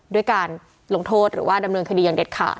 ด้วยการลงโทษหรือว่าดำเนินคดีอย่างเด็ดขาด